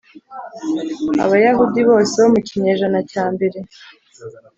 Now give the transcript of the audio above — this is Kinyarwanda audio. abayahudi bose bo mu kinyejana cya mbere